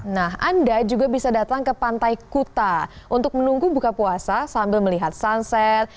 nah anda juga bisa datang ke pantai kuta untuk menunggu buka puasa sambil melihat sunset